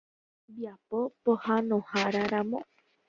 Hembiapo pohãnoháraramo.